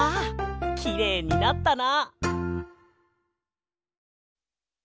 きれいになったな！